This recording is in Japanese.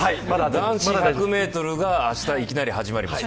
男子１００ｍが明日、いきなり始まります。